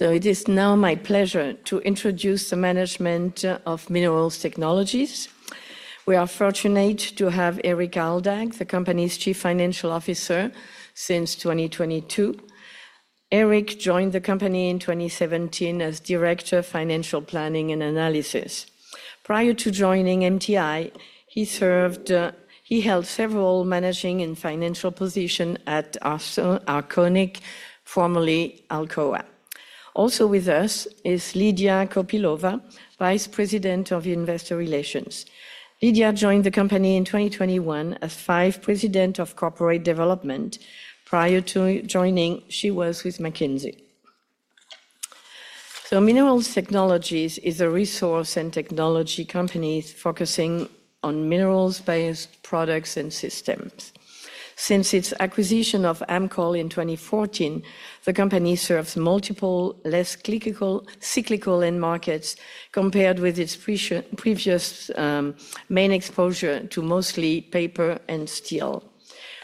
It is now my pleasure to introduce the management of Minerals Technologies. We are fortunate to have Erik Aldag, the company's Chief Financial Officer since 2022. Erik joined the company in 2017 as Director of Financial Planning and Analysis. Prior to joining MTI, he held several managing and financial positions at Arconic, formerly Alcoa. Also with us is Lydia Kopylova, Vice President of Investor Relations. Lydia joined the company in 2021 as Vice President of Corporate Development. Prior to joining, she was with McKinsey. Minerals Technologies is a resource and technology company focusing on mineral-based products and systems. Since its acquisition of AMCOL in 2014, the company serves multiple less cyclical end markets compared with its previous main exposure to mostly paper and steel.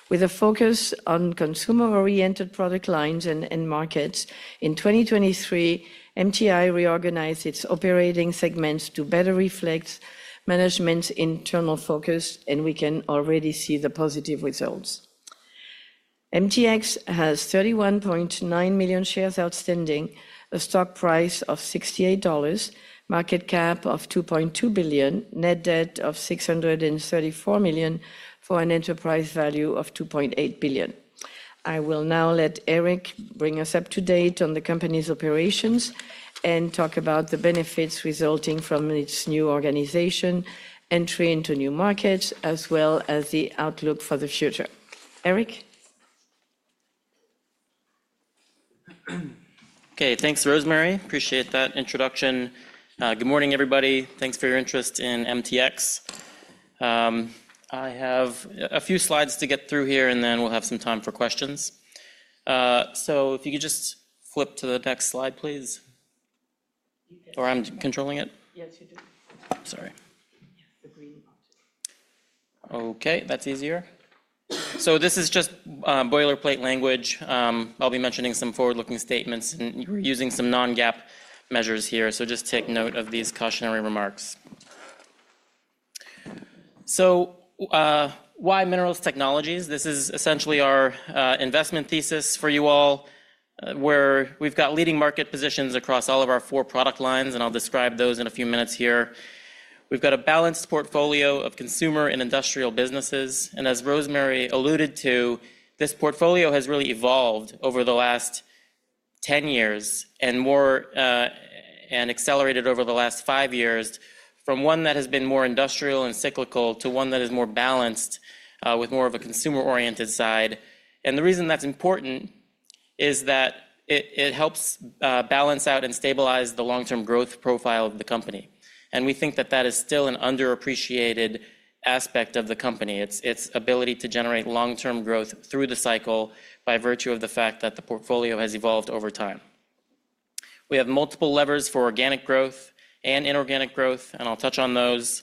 With a focus on consumer-oriented product lines and end markets, in 2023, MTI reorganized its operating segments to better reflect management's internal focus, and we can already see the positive results. MTX has 31.9 million shares outstanding, a stock price of $68, market cap of $2.2 billion, net debt of $634 million, for an enterprise value of $2.8 billion. I will now let Erik bring us up to date on the company's operations and talk about the benefits resulting from its new organization, entry into new markets, as well as the outlook for the future. Erik? Okay, thanks, Rosemary. Appreciate that introduction. Good morning, everybody. Thanks for your interest in MTX. I have a few slides to get through here, and then we'll have some time for questions. If you could just flip to the next slide, please. Or am I controlling it? Yes, you do. Sorry. Yes, the green option. Okay, that's easier. This is just boilerplate language. I'll be mentioning some forward-looking statements, and we're using some non-GAAP measures here, so just take note of these cautionary remarks. Why Minerals Technologies? This is essentially our investment thesis for you all. We've got leading market positions across all of our four product lines, and I'll describe those in a few minutes here. We've got a balanced portfolio of consumer and industrial businesses. As Rosemary alluded to, this portfolio has really evolved over the last 10 years and accelerated over the last five years from one that has been more industrial and cyclical to one that is more balanced with more of a consumer-oriented side. The reason that's important is that it helps balance out and stabilize the long-term growth profile of the company. We think that that is still an underappreciated aspect of the company, its ability to generate long-term growth through the cycle by virtue of the fact that the portfolio has evolved over time. We have multiple levers for organic growth and inorganic growth, and I'll touch on those.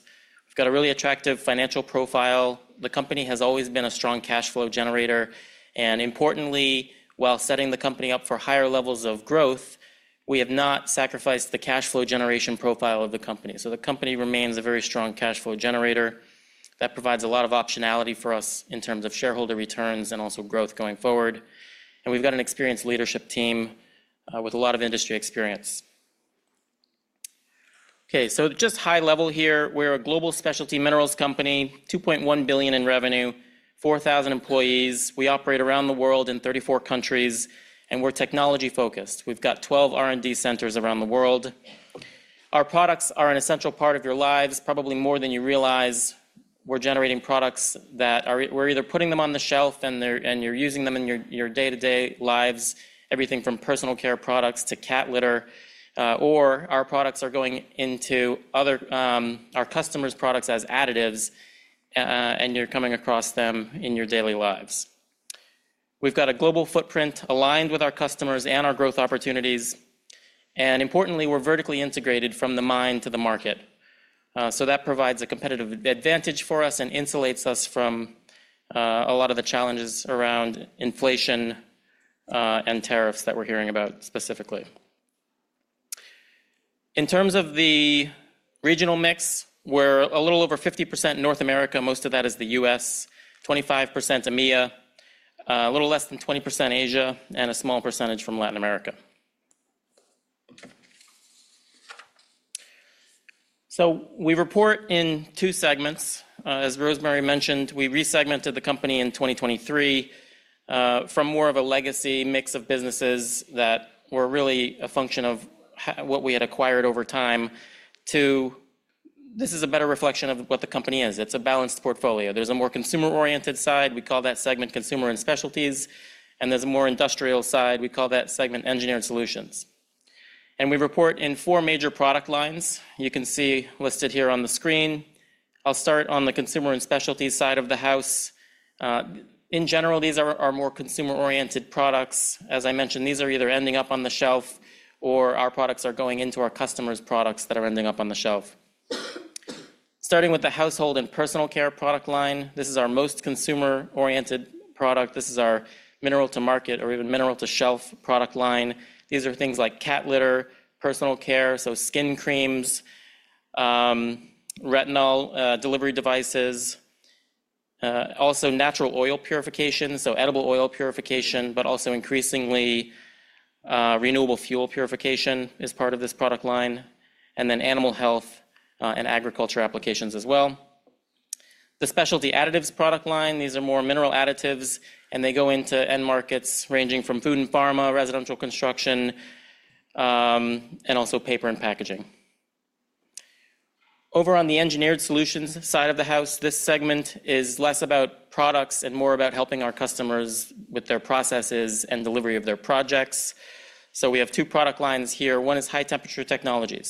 We have a really attractive financial profile. The company has always been a strong cash flow generator. Importantly, while setting the company up for higher levels of growth, we have not sacrificed the cash flow generation profile of the company. The company remains a very strong cash flow generator that provides a lot of optionality for us in terms of shareholder returns and also growth going forward. We have an experienced leadership team with a lot of industry experience. Okay, just high level here. We are a global specialty minerals company, $2.1 billion in revenue, 4,000 employees. We operate around the world in 34 countries, and we're technology-focused. We've got 12 R&D centers around the world. Our products are an essential part of your lives, probably more than you realize. We're generating products that we're either putting them on the shelf and you're using them in your day-to-day lives, everything from personal care products to cat litter, or our products are going into our customers' products as additives, and you're coming across them in your daily lives. We've got a global footprint aligned with our customers and our growth opportunities. Importantly, we're vertically integrated from the mine to the market. That provides a competitive advantage for us and insulates us from a lot of the challenges around inflation and tariffs that we're hearing about specifically. In terms of the regional mix, we're a little over 50% North America. Most of that is the U.S., 25% EMEA, a little less than 20% Asia, and a small percentage from Latin America. We report in two segments. As Rosemary mentioned, we resegmented the company in 2023 from more of a legacy mix of businesses that were really a function of what we had acquired over time to this is a better reflection of what the company is. It's a balanced portfolio. There's a more consumer-oriented side. We call that segment consumer and specialties. There's a more industrial side. We call that segment engineered solutions. We report in four major product lines you can see listed here on the screen. I'll start on the consumer and specialties side of the house. In general, these are more consumer-oriented products. As I mentioned, these are either ending up on the shelf or our products are going into our customers' products that are ending up on the shelf. Starting with the household and personal care product line, this is our most consumer-oriented product. This is our mineral-to-market or even mineral-to-shelf product line. These are things like cat litter, personal care, so skin creams, retinol delivery devices, also natural oil purification, so edible oil purification, but also increasingly renewable fuel purification is part of this product line, and then animal health and agriculture applications as well. The specialty additives product line, these are more mineral additives, and they go into end markets ranging from food and pharma, residential construction, and also paper and packaging. Over on the engineered solutions side of the house, this segment is less about products and more about helping our customers with their processes and delivery of their projects. We have two product lines here. One is high-temperature technologies.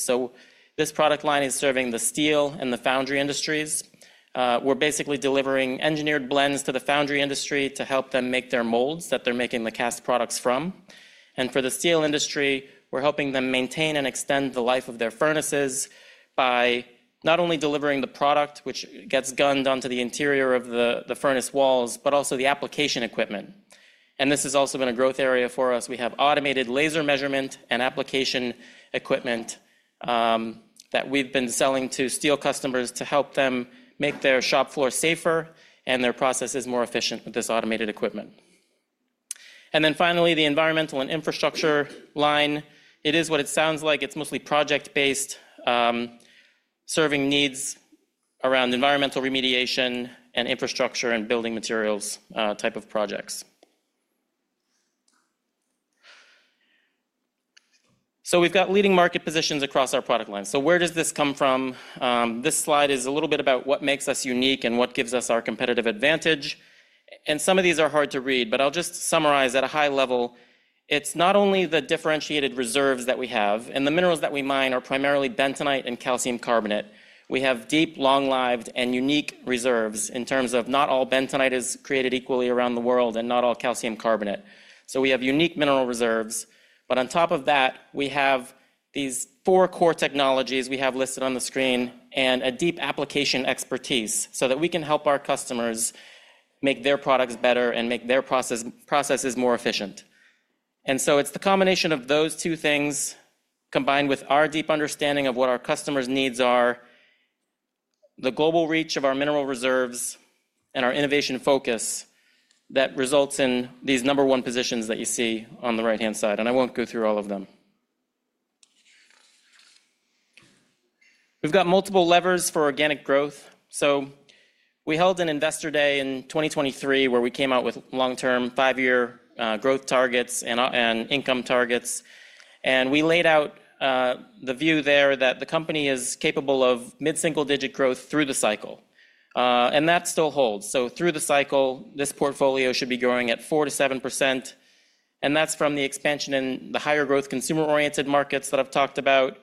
This product line is serving the steel and the foundry industries. We're basically delivering engineered blends to the foundry industry to help them make their molds that they're making the cast products from. For the steel industry, we're helping them maintain and extend the life of their furnaces by not only delivering the product, which gets gunned onto the interior of the furnace walls, but also the application equipment. This has also been a growth area for us. We have automated laser measurement and application equipment that we've been selling to steel customers to help them make their shop floor safer and their processes more efficient with this automated equipment. Finally, the environmental and infrastructure line. It is what it sounds like. It's mostly project-based, serving needs around environmental remediation and infrastructure and building materials type of projects. We have leading market positions across our product lines. Where does this come from? This slide is a little bit about what makes us unique and what gives us our competitive advantage. Some of these are hard to read, but I'll just summarize at a high level. It's not only the differentiated reserves that we have. The minerals that we mine are primarily bentonite and calcium carbonate. We have deep, long-lived and unique reserves in terms of not all bentonite is created equally around the world and not all calcium carbonate. We have unique mineral reserves. On top of that, we have these four core technologies we have listed on the screen and a deep application expertise so that we can help our customers make their products better and make their processes more efficient. It is the combination of those two things combined with our deep understanding of what our customers' needs are, the global reach of our mineral reserves, and our innovation focus that results in these number one positions that you see on the right-hand side. I will not go through all of them. We have multiple levers for organic growth. We held an investor day in 2023 where we came out with long-term five-year growth targets and income targets. We laid out the view there that the company is capable of mid-single-digit growth through the cycle. That still holds. Through the cycle, this portfolio should be growing at 4%-7%. That is from the expansion in the higher growth consumer-oriented markets that I have talked about,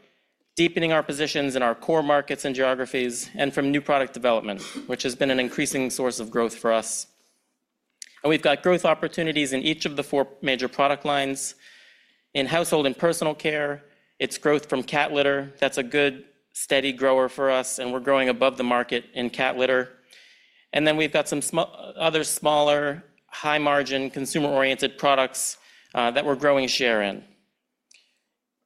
deepening our positions in our core markets and geographies, and from new product development, which has been an increasing source of growth for us. We have got growth opportunities in each of the four major product lines. In household and personal care, it is growth from cat litter. That is a good, steady grower for us, and we are growing above the market in cat litter. We have got some other smaller, high-margin, consumer-oriented products that we are growing share in.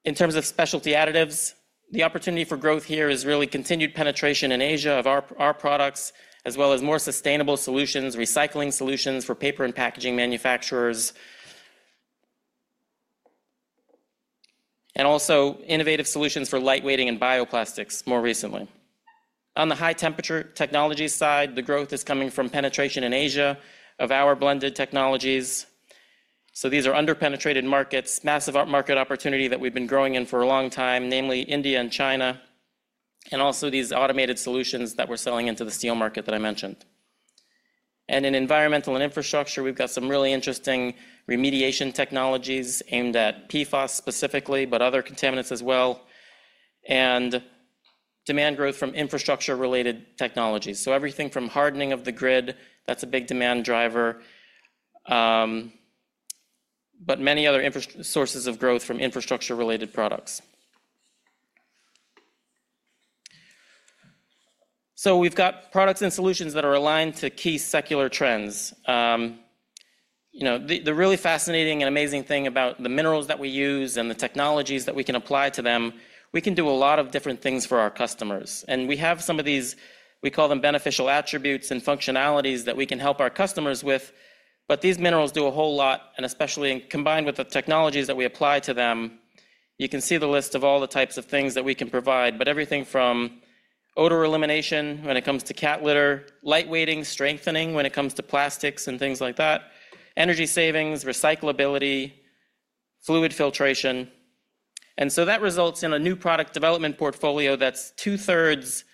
In terms of specialty additives, the opportunity for growth here is really continued penetration in Asia of our products, as well as more sustainable solutions, recycling solutions for paper and packaging manufacturers, and also innovative solutions for lightweighting and bioplastics more recently. On the high-temperature technology side, the growth is coming from penetration in Asia of our blended technologies. These are under-penetrated markets, massive market opportunity that we've been growing in for a long time, namely India and China, and also these automated solutions that we're selling into the steel market that I mentioned. In environmental and infrastructure, we've got some really interesting remediation technologies aimed at PFAS specifically, but other contaminants as well, and demand growth from infrastructure-related technologies. Everything from hardening of the grid, that's a big demand driver, but many other sources of growth from infrastructure-related products. We have products and solutions that are aligned to key secular trends. The really fascinating and amazing thing about the minerals that we use and the technologies that we can apply to them, we can do a lot of different things for our customers. We have some of these, we call them beneficial attributes and functionalities that we can help our customers with. These minerals do a whole lot, and especially combined with the technologies that we apply to them, you can see the list of all the types of things that we can provide, everything from odor elimination when it comes to cat litter, lightweighting, strengthening when it comes to plastics and things like that, energy savings, recyclability, fluid filtration. That results in a new product development portfolio that's two-thirds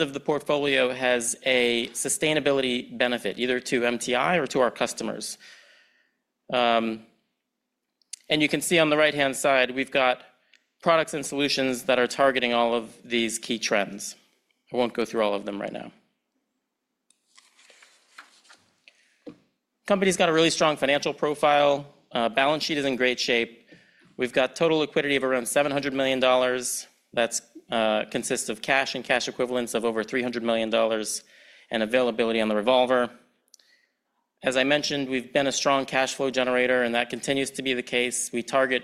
of the portfolio has a sustainability benefit, either to MTI or to our customers. You can see on the right-hand side, we've got products and solutions that are targeting all of these key trends. I won't go through all of them right now. The company's got a really strong financial profile. Balance sheet is in great shape. We've got total liquidity of around $700 million. That consists of cash and cash equivalents of over $300 million and availability on the revolver. As I mentioned, we've been a strong cash flow generator, and that continues to be the case. We target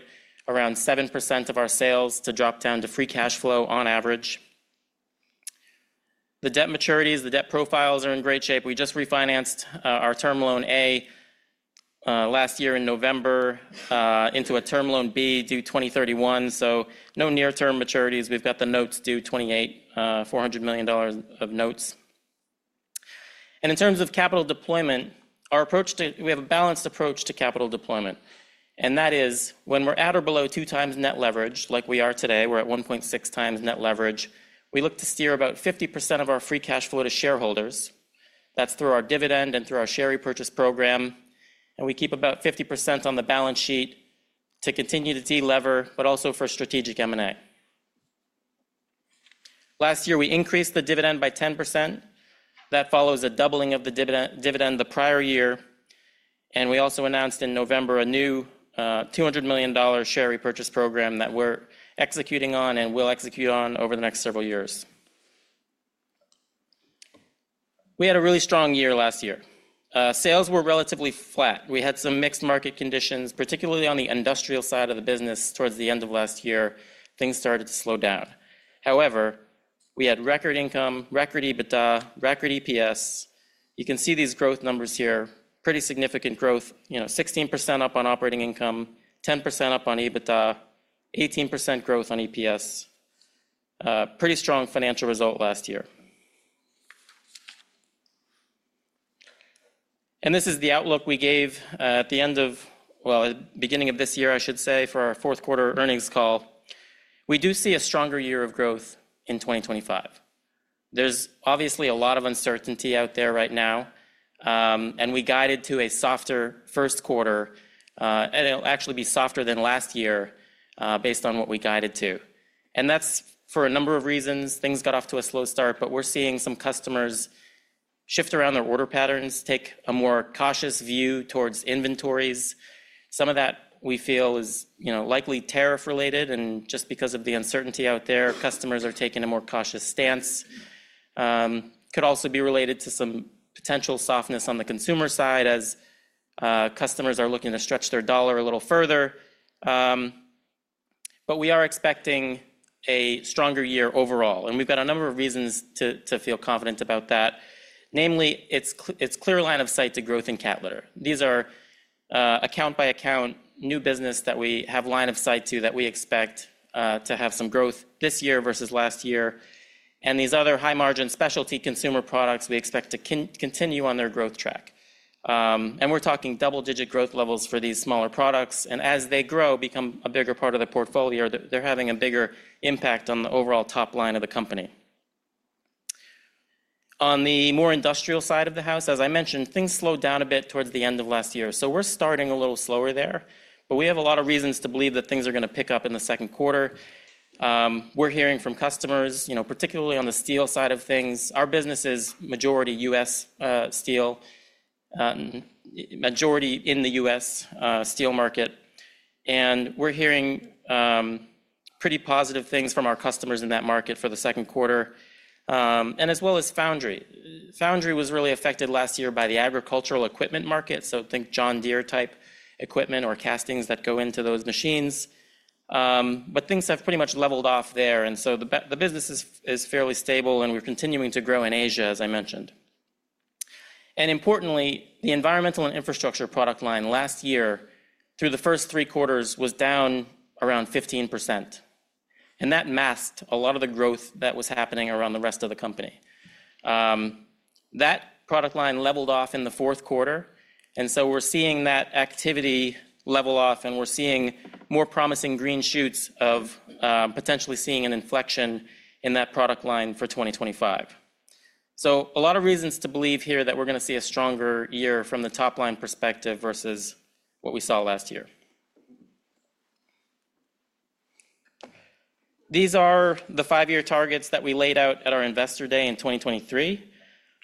around 7% of our sales to drop down to free cash flow on average. The debt maturities, the debt profiles are in great shape. We just refinanced our term loan A last year in November into a term loan B due 2031. No near-term maturities. We've got the notes due 2028, $400 million of notes. In terms of capital deployment, we have a balanced approach to capital deployment. That is when we're at or below two times net leverage, like we are today, we're at 1.6 times net leverage. We look to steer about 50% of our free cash flow to shareholders. That's through our dividend and through our share repurchase program. We keep about 50% on the balance sheet to continue to de-lever, but also for strategic M&A. Last year, we increased the dividend by 10%. That follows a doubling of the dividend the prior year. We also announced in November a new $200 million share repurchase program that we're executing on and will execute on over the next several years. We had a really strong year last year. Sales were relatively flat. We had some mixed market conditions, particularly on the industrial side of the business. Towards the end of last year, things started to slow down. However, we had record income, record EBITDA, record EPS. You can see these growth numbers here. Pretty significant growth, 16% up on operating income, 10% up on EBITDA, 18% growth on EPS. Pretty strong financial result last year. This is the outlook we gave at the end of, actually, at the beginning of this year, I should say, for our fourth quarter earnings call. We do see a stronger year of growth in 2025. There's obviously a lot of uncertainty out there right now. We guided to a softer first quarter. It will actually be softer than last year based on what we guided to. That is for a number of reasons. Things got off to a slow start, but we are seeing some customers shift around their order patterns, take a more cautious view towards inventories. Some of that we feel is likely tariff-related. Just because of the uncertainty out there, customers are taking a more cautious stance. It could also be related to some potential softness on the consumer side as customers are looking to stretch their dollar a little further. We are expecting a stronger year overall. We have a number of reasons to feel confident about that. Namely, it is clear line of sight to growth in cat litter. These are account-by-account new business that we have line of sight to that we expect to have some growth this year versus last year. These other high-margin specialty consumer products, we expect to continue on their growth track. We're talking double-digit growth levels for these smaller products. As they grow, become a bigger part of the portfolio, they're having a bigger impact on the overall top line of the company. On the more industrial side of the house, as I mentioned, things slowed down a bit towards the end of last year. We're starting a little slower there. We have a lot of reasons to believe that things are going to pick up in the second quarter. We're hearing from customers, particularly on the steel side of things. Our business is majority U.S. steel, majority in the U.S. steel market. We're hearing pretty positive things from our customers in that market for the second quarter, as well as foundry. Foundry was really affected last year by the agricultural equipment market, so think John Deere-type equipment or castings that go into those machines. Things have pretty much leveled off there. The business is fairly stable, and we're continuing to grow in Asia, as I mentioned. Importantly, the environmental and infrastructure product line last year through the first three quarters was down around 15%. That masked a lot of the growth that was happening around the rest of the company. That product line leveled off in the fourth quarter. We're seeing that activity level off, and we're seeing more promising green shoots of potentially seeing an inflection in that product line for 2025. A lot of reasons to believe here that we're going to see a stronger year from the top line perspective versus what we saw last year. These are the five-year targets that we laid out at our investor day in 2023.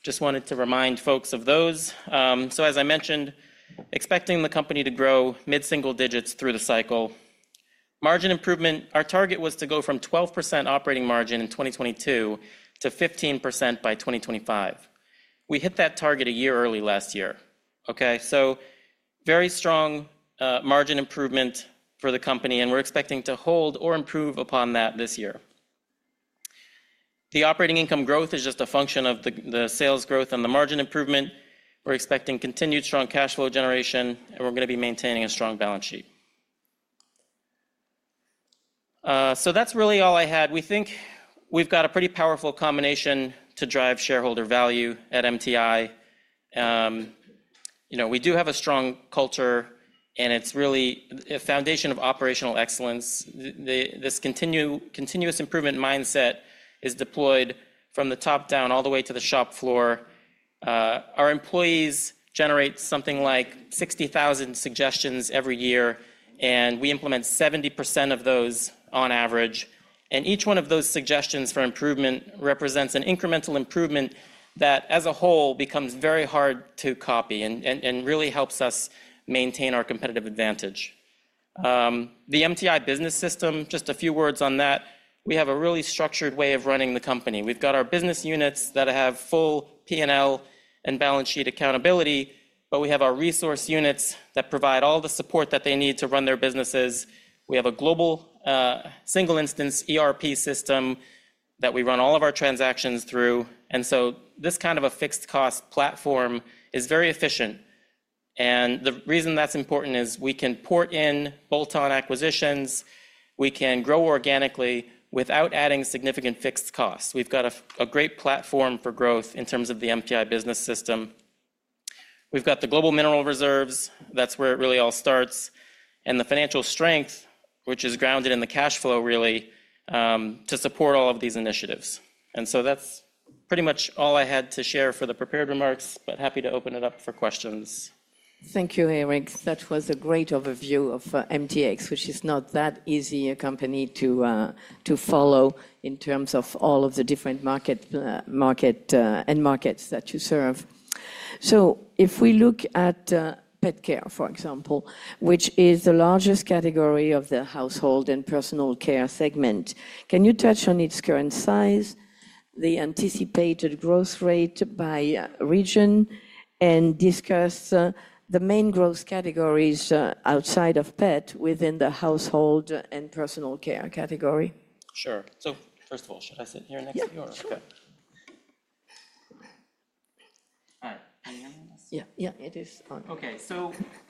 Just wanted to remind folks of those. As I mentioned, expecting the company to grow mid-single digits through the cycle. Margin improvement, our target was to go from 12% operating margin in 2022 to 15% by 2025. We hit that target a year early last year. Okay? Very strong margin improvement for the company, and we're expecting to hold or improve upon that this year. The operating income growth is just a function of the sales growth and the margin improvement. We're expecting continued strong cash flow generation, and we're going to be maintaining a strong balance sheet. That's really all I had. We think we've got a pretty powerful combination to drive shareholder value at MTI. We do have a strong culture, and it's really a foundation of operational excellence. This continuous improvement mindset is deployed from the top down all the way to the shop floor. Our employees generate something like 60,000 suggestions every year, and we implement 70% of those on average. Each one of those suggestions for improvement represents an incremental improvement that, as a whole, becomes very hard to copy and really helps us maintain our competitive advantage. The MTI business system, just a few words on that. We have a really structured way of running the company. We've got our business units that have full P&L and balance sheet accountability, but we have our resource units that provide all the support that they need to run their businesses. We have a global single-instance ERP system that we run all of our transactions through. This kind of a fixed-cost platform is very efficient. The reason that's important is we can port in bolt-on acquisitions. We can grow organically without adding significant fixed costs. We've got a great platform for growth in terms of the MTI business system. We've got the global mineral reserves. That's where it really all starts. The financial strength, which is grounded in the cash flow, really to support all of these initiatives. That's pretty much all I had to share for the prepared remarks, but happy to open it up for questions. Thank you, Erik. That was a great overview of MTX, which is not that easy a company to follow in terms of all of the different markets and markets that you serve. If we look at pet care, for example, which is the largest category of the household and personal care segment, can you touch on its current size, the anticipated growth rate by region, and discuss the main growth categories outside of pet within the household and personal care category? Sure. First of all, should I sit here next to you or? Yes. Hi. Can you hear me? Yeah, yeah, it is on.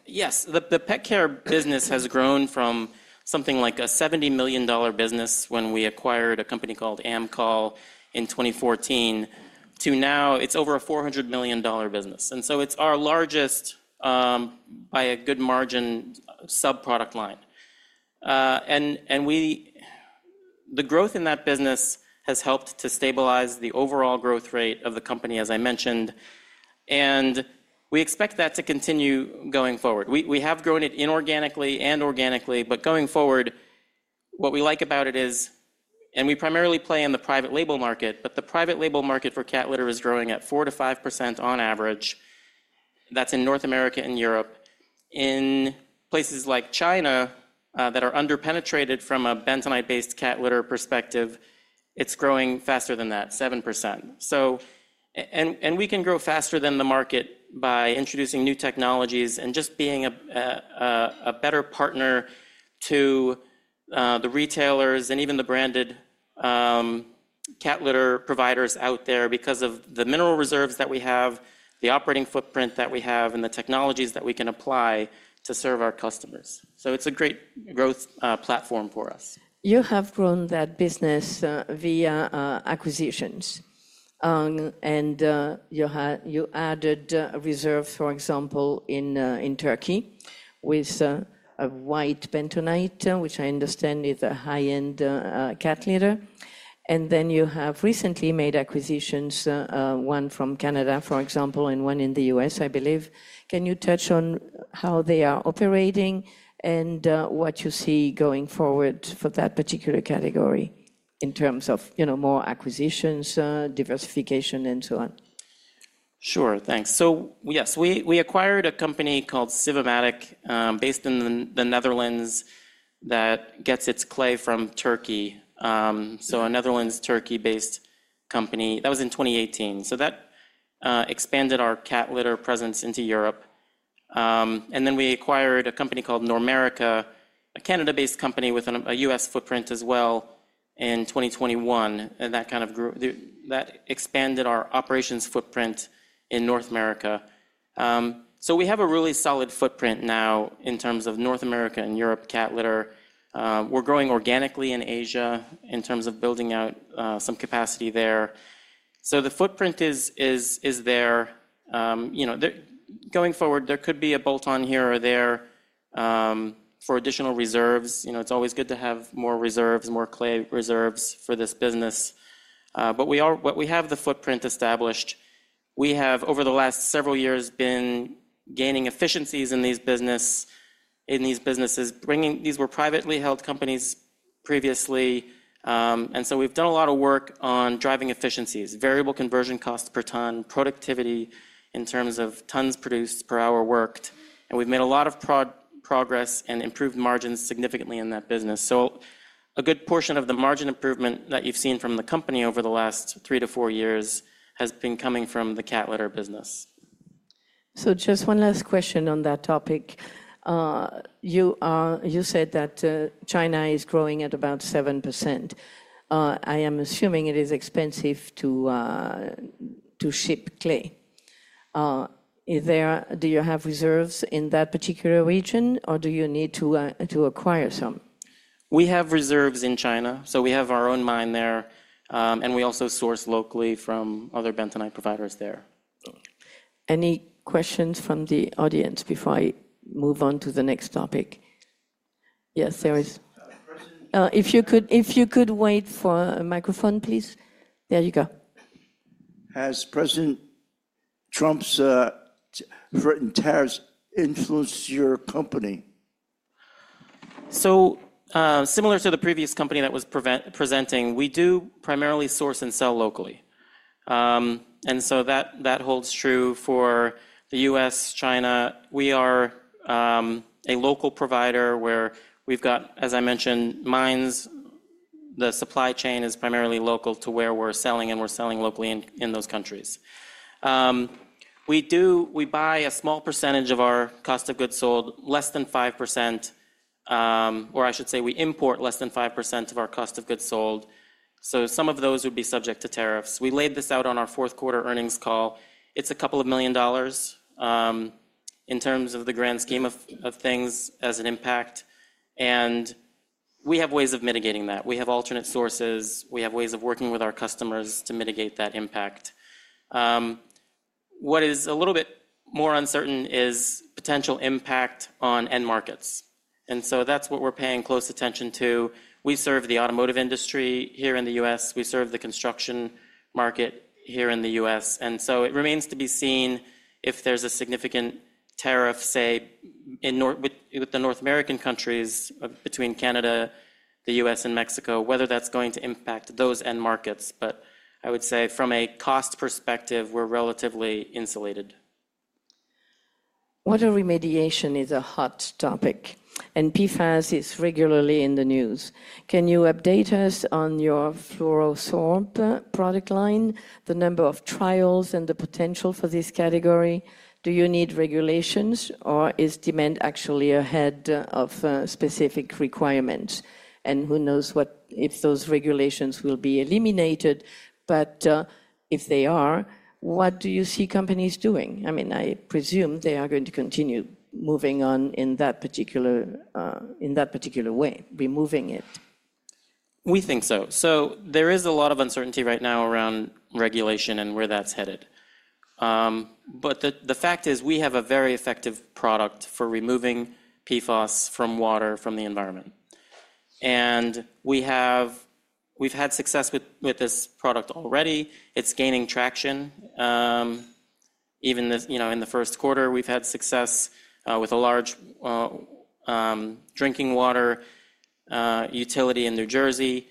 Yes, the pet care business has grown from something like a $70 million business when we acquired a company called AMCOL in 2014 to now it's over a $400 million business. It is our largest by a good margin sub-product line. The growth in that business has helped to stabilize the overall growth rate of the company, as I mentioned. We expect that to continue going forward. We have grown it inorganically and organically, but going forward, what we like about it is, and we primarily play in the private label market, but the private label market for cat litter is growing at 4%-5% on average. That's in North America and Europe. In places like China that are underpenetrated from a bentonite-based cat litter perspective, it's growing faster than that, 7%. We can grow faster than the market by introducing new technologies and just being a better partner to the retailers and even the branded cat litter providers out there because of the mineral reserves that we have, the operating footprint that we have, and the technologies that we can apply to serve our customers. It is a great growth platform for us. You have grown that business via acquisitions. You added reserves, for example, in Turkey with a white bentonite, which I understand is a high-end cat litter. You have recently made acquisitions, one from Canada, for example, and one in the U.S., I believe. Can you touch on how they are operating and what you see going forward for that particular category in terms of more acquisitions, diversification, and so on? Sure. Thanks. Yes, we acquired a company called Sivomatic based in the Netherlands that gets its clay from Turkey, so a Netherlands, Turkey-based company. That was in 2018. That expanded our cat litter presence into Europe. We acquired a company called Normerica, a Canada-based company with a U.S. footprint as well, in 2021. That expanded our operations footprint in North America. We have a really solid footprint now in terms of North America and Europe cat litter. We're growing organically in Asia in terms of building out some capacity there. The footprint is there. Going forward, there could be a bolt-on here or there for additional reserves. It's always good to have more reserves, more clay reserves for this business. We have the footprint established. We have, over the last several years, been gaining efficiencies in these businesses. These were privately held companies previously. We have done a lot of work on driving efficiencies, variable conversion costs per ton, productivity in terms of tons produced per hour worked. We have made a lot of progress and improved margins significantly in that business. A good portion of the margin improvement that you've seen from the company over the last three to four years has been coming from the cat litter business. Just one last question on that topic. You said that China is growing at about 7%. I am assuming it is expensive to ship clay. Do you have reserves in that particular region, or do you need to acquire some? We have reserves in China. So we have our own mine there. And we also source locally from other bentonite providers there. Any questions from the audience before I move on to the next topic? Yes, there is. If you could wait for a microphone, please. There you go. Has President Trump's threatened tariffs influenced your company? Similar to the previous company that was presenting, we do primarily source and sell locally. That holds true for the U.S., China. We are a local provider where we've got, as I mentioned, mines. The supply chain is primarily local to where we're selling, and we're selling locally in those countries. We buy a small percentage of our cost of goods sold, less than 5%, or I should say we import less than 5% of our cost of goods sold. Some of those would be subject to tariffs. We laid this out on our fourth quarter earnings call. It is a couple of million dollars in terms of the grand scheme of things as an impact. We have ways of mitigating that. We have alternate sources. We have ways of working with our customers to mitigate that impact. What is a little bit more uncertain is potential impact on end markets. That is what we are paying close attention to. We serve the automotive industry here in the U.S. We serve the construction market here in the U.S. It remains to be seen if there's a significant tariff, say, with the North American countries between Canada, the U.S., and Mexico, whether that's going to impact those end markets. I would say from a cost perspective, we're relatively insulated. Water remediation is a hot topic. PFAS is regularly in the news. Can you update us on your Fluoro-Sorb product line, the number of trials, and the potential for this category? Do you need regulations, or is demand actually ahead of specific requirements? Who knows if those regulations will be eliminated. If they are, what do you see companies doing? I mean, I presume they are going to continue moving on in that particular way, removing it. We think so. There is a lot of uncertainty right now around regulation and where that's headed. The fact is we have a very effective product for removing PFAS from water, from the environment. We've had success with this product already. It's gaining traction. Even in the first quarter, we've had success with a large drinking water utility in New Jersey.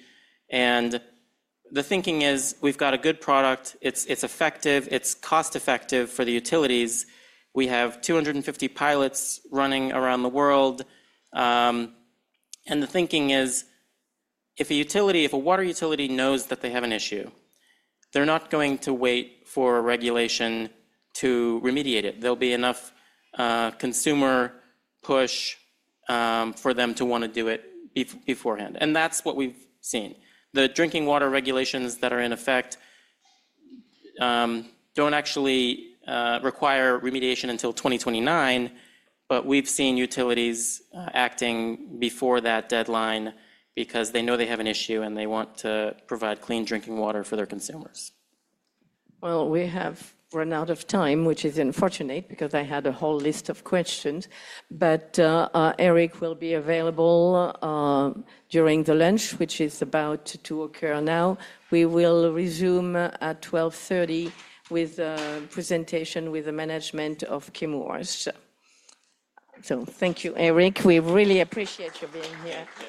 The thinking is we've got a good product. It's effective. It's cost-effective for the utilities. We have 250 pilots running around the world. The thinking is if a water utility knows that they have an issue, they're not going to wait for regulation to remediate it. There will be enough consumer push for them to want to do it beforehand. That's what we've seen. The drinking water regulations that are in effect do not actually require remediation until 2029, but we have seen utilities acting before that deadline because they know they have an issue and they want to provide clean drinking water for their consumers. We have run out of time, which is unfortunate because I had a whole list of questions. Erik will be available during the lunch, which is about to occur now. We will resume at 12:30 P.M. with a presentation with the management of Chemours. Thank you, Erik. We really appreciate your being here.